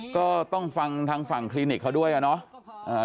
ก็ต้องฟังทางฝั่งคลินิกเขาด้วยอะเนาะ